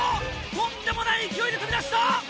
とんでもない勢いで飛び出した！